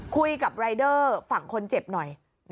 คุยกับรายเดอร์ฝั่งคนเจ็บหน่อย